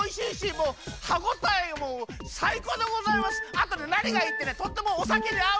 あとねなにがいいってねとってもおさけにあうんです。